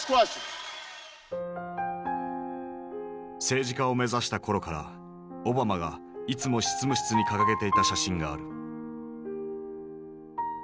政治家を目指した頃からオバマがいつも執務室に掲げていた写真がある。